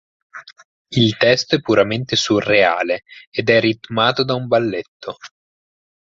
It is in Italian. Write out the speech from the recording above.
Il testo è puramente surreale ed è ritmato da un balletto.